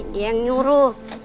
dia yang nyuruh